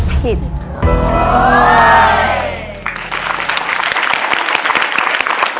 ผิดค่ะ